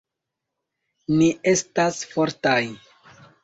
Ni estas fortaj